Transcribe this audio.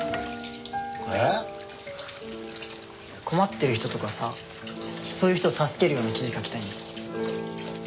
困ってる人とかさそういう人を助けるような記事書きたいんだ。